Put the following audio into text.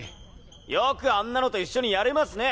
よくあんなのと一緒にやれますね！